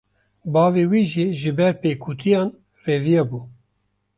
Bavê wî jî, ji ber pêkutiyan reviya bû